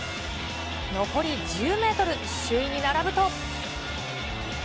残り１０メートル、首位に並ぶと。